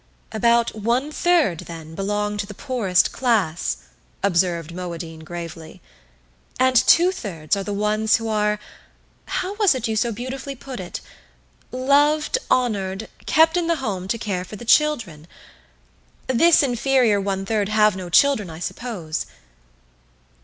"About one third, then, belong to the poorest class," observed Moadine gravely. "And two thirds are the ones who are how was it you so beautifully put it? 'loved, honored, kept in the home to care for the children.' This inferior one third have no children, I suppose?"